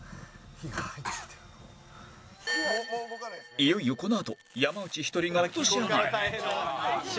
いよいよこのあと山内１人が落とし穴へ